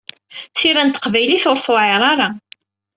Tira n teqbaylit ur tewɛiṛ ara.